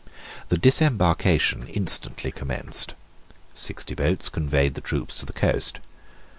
The disembarkation instantly commenced. Sixty boats conveyed the troops to the coast.